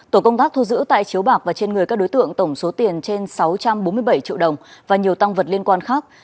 tổ công tác thu giữ tại chiếu bạc và trên người các đối tượng tổng số tiền trên sáu trăm bốn mươi bảy triệu đồng và nhiều tăng vật liên quan khác